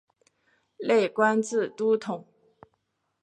累官至都统。